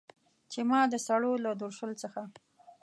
چې ما د سړو له درشل څخه